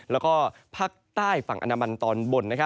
แล้วก็ภาคใต้ฝั่งอนามันตอนบน